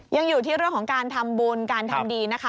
ยังอยู่ที่เรื่องของการทำบุญการทำดีนะคะ